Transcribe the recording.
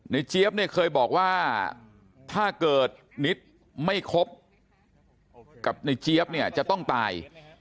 เจี๊ยบเนี่ยเคยบอกว่าถ้าเกิดนิดไม่คบกับในเจี๊ยบเนี่ยจะต้องตาย